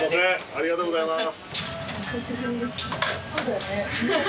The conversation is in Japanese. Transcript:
ありがとうございます。